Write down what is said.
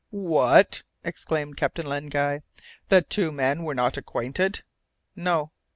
"What!" exclaimed Captain Len Guy; "the two men were not acquainted?" "No!"